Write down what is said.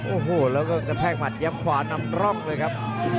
โอ้โหแล้วก็แท่งหมัดเยี่ยมขวานำร่องเลยครับ